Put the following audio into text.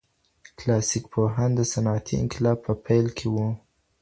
کلاسیک پوهان د صنعتي انقلاب په پیل کي وو.